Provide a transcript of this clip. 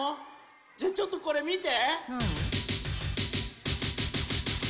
じゃあちょっとこれみて。